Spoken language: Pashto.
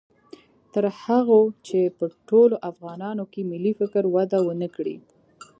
تر هغو چې په ټولو افغانانو کې ملي فکر وده و نه کړي